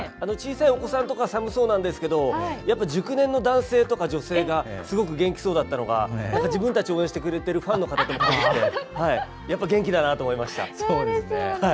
小さいお子さんとか寒そうなんですけどやっぱり、熟年の男性とか女性がすごく元気そうだったのが自分たちを応援してくれているファンの方と一緒でやっぱり元気だなって思いました。